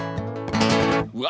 うわ！